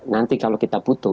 nanti kalau kita butuh